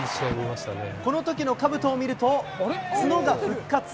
このときのかぶとを見ると、角が復活。